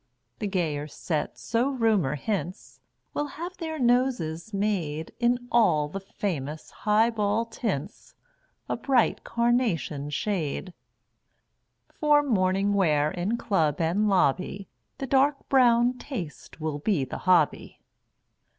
The Gayer Set, so rumor hints, Will have their noses made In all the famous Highball Tints A bright carnation shade. For morning wear in club and lobby, The Dark Brown Taste will be the hobby.